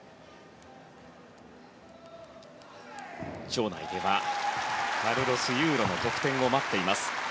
場内ではカルロス・ユーロの得点を待っています。